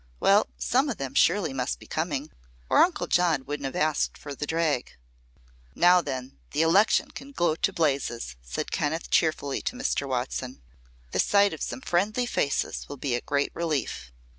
Well, some of them surely must be coming, or Uncle John wouldn't have asked for the drag. "Now then, the election can go to blazes," said Kenneth, cheerfully, to Mr. Watson. "The sight of some friendly faces will be a great relief."